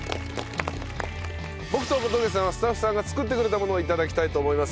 僕と小峠さんはスタッフさんが作ってくれたものを頂きたいと思います。